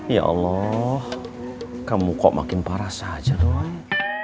ya allah kamu kok makin parah saja doang